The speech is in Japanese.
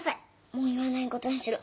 もう言わないことにする。